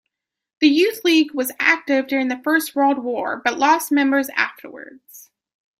The youth league was active during the First World War, but lost members afterwards.